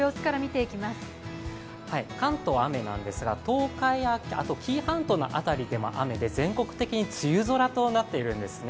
関東は雨なんですが東海、紀伊半島の辺りでも雨で全国的に梅雨空となっているんですね。